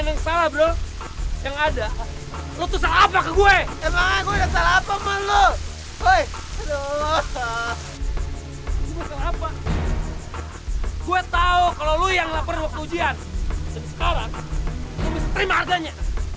kasih aku satu kesempatan aja buat ngejelasin semuanya